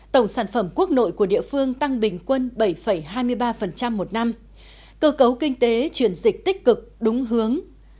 tổng sản phẩm quốc nội của địa phương tăng bình quân bảy hai mươi ba một năm cơ cấu kinh tế chuyển dịch tích cực đúng hướng